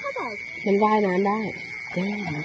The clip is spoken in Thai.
ไม่ใช่เพราะว่ามีคนสนใจ